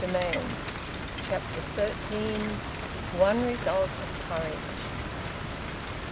VOLUME ONE, CHAPTER THIRTEEN. ONE RESULT OF COURAGE.